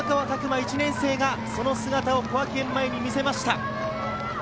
１年生が、その姿を小涌園前に見せました。